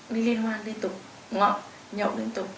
đi lên hoa liên tục ngọt nhậu liên tục